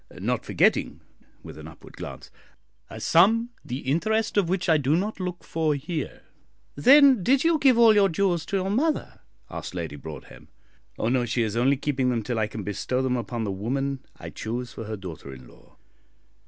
Not forgetting," with an upward glance, "a sum the interest of which I do not look for here." "Then, did you give all your jewels to your mother?" asked Lady Broadhem. "Oh no; she is only keeping them till I can bestow them upon the woman I choose for her daughter in law."